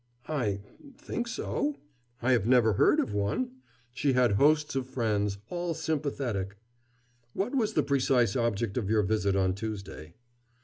"I think so. I have never heard of one. She had hosts of friends all sympathetic." "What was the precise object of your visit on Tuesday?"